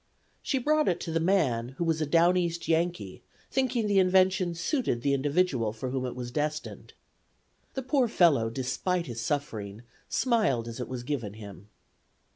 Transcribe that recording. She brought it to the man, who was a down East Yankee, thinking the invention suited the individual for whom it was destined. The poor fellow, despite his suffering, smiled as it was given him.